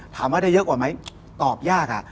ถามว่าได้เยอะกว่าไหมตอบยากอะ